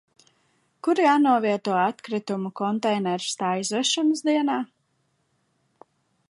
Kur jānovieto atkritumu konteiners tā izvešanas dienā?